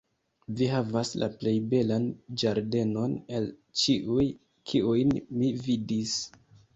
"Vi havas la plej belan ĝardenon el ĉiuj, kiujn mi vidis!"